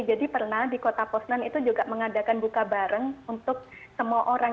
jadi pernah di kota poznan itu juga mengadakan buka bareng untuk semua orang